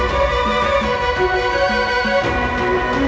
สวัสดีครับสวัสดีครับ